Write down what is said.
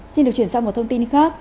xin được chuyển sang một thông tin khác